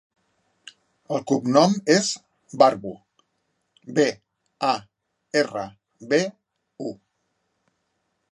El cognom és Barbu: be, a, erra, be, u.